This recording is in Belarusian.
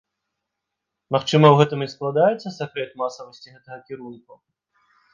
Магчыма, у гэтым і складаецца сакрэт масавасці гэтага кірунку?